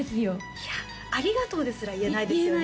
いや「ありがとう」ですら言えないですよね